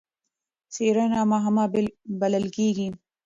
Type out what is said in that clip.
څېړنه مهمه بلل کېږي.